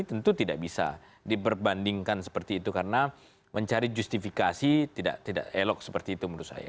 tentu tidak bisa diperbandingkan seperti itu karena mencari justifikasi tidak elok seperti itu menurut saya